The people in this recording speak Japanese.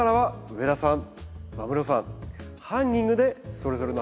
上田さん